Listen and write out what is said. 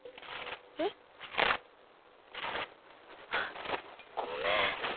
えっ？あっごめん